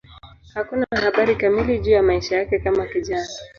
Hakuna habari kamili juu ya maisha yake kama kijana.